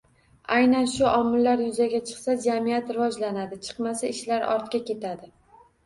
Aynan shu omillar yuzaga chiqsa, jamiyat rivojlanadi, chiqmasa, ishlar ortga ketadi.